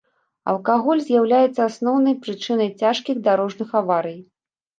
Алкаголь з'яўляецца асноўнай прычынай цяжкіх дарожных аварый.